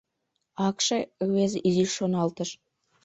— Акше... — рвезе изиш шоналтыш.